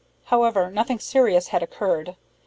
However, nothing serious had occurred.